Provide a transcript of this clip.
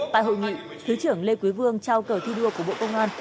tại hội nghị thứ trưởng lê quý vương trao cờ thi đua của bộ công an